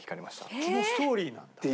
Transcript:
そっちのストーリーなんだ。